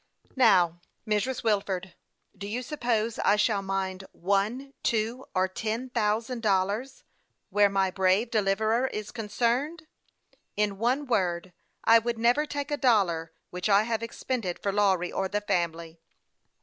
Now, Mrs. Wilford, do you suppose I shall mind one, two, or ten thousand dollars, where my brave deliverer is concerned. In one word, I will never take a dollar which I have expended for Lawry or the family.